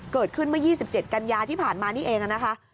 เกิดขึ้นเมื่อ๒๗กันยาที่ผ่านมานี่เองนะคะ